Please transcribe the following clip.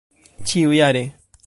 ĉiujare